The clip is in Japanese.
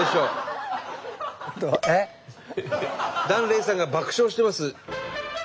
檀れいさんが爆笑してます。